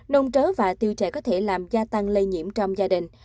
nôn trớ và tiêu chảy có thể làm gia tăng lây nhiễm trong gia đình